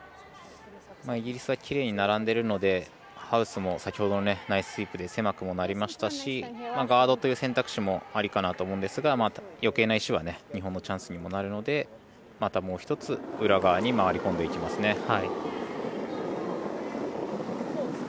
イギリスはきれいに並んでいるのでハウスも先ほどのナイススイープで狭くもなりましたしガードという選択肢もありかなと思うんですがよけいな石は日本のチャンスにもなるのでまたもう１つ裏側に回り込んでいきますね。